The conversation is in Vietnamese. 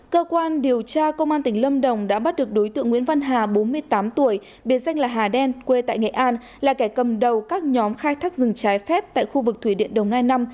cơ quan điều tra công an tỉnh lâm đồng đã bắt được đối tượng nguyễn văn hà bốn mươi tám tuổi biệt danh là hà đen quê tại nghệ an là kẻ cầm đầu các nhóm khai thác rừng trái phép tại khu vực thủy điện đồng nai năm